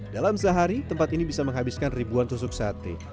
dalam sehari tempat ini bisa menghabiskan ribuan susuk sate